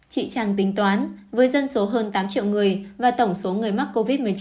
chị trang tính toán với dân số hơn tám triệu người và tổng số người mắc covid một mươi chín